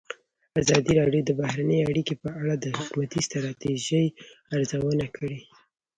ازادي راډیو د بهرنۍ اړیکې په اړه د حکومتي ستراتیژۍ ارزونه کړې.